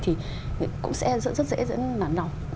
thì cũng sẽ rất dễ dẫn nản lòng